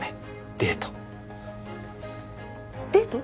デートデート？